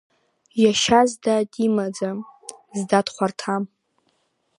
Иашьа зда димаӡам, зда дхәарҭам.